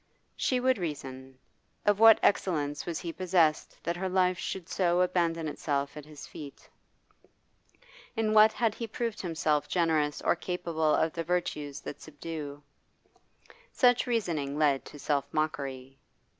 She would reason. Of what excellence was he possessed that her life should so abandon itself at his feet? In what had he proved himself generous or capable of the virtues that subdue? Such reasoning led to self mockery.